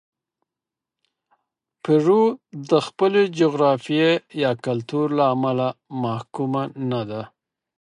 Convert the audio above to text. پیرو د خپلې جغرافیې یا کلتور له امله محکومه نه ده.